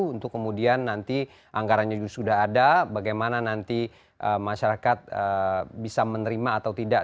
untuk kemudian nanti anggarannya sudah ada bagaimana nanti masyarakat bisa menerima atau tidak